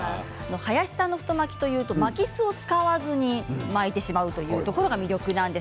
林さんの太巻きといえば巻きすを使わずに巻いてしまうところが魅力です。